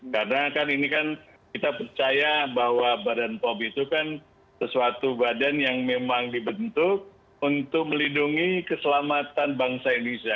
karena kan ini kan kita percaya bahwa badan pom itu kan sesuatu badan yang memang dibentuk untuk melindungi keselamatan bangsa indonesia